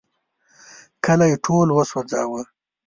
کلی ټول وسوځاوه.